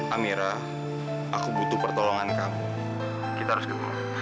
amira aku butuh pertolongan kamu kita harus ke rumah